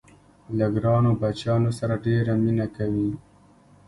له ګرانو بچیانو سره ډېره مینه کوي.